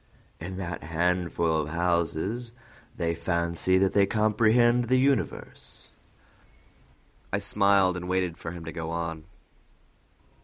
"In that handful of houses they fancy that they comprehend the universe." I smiled, and waited for him to go on.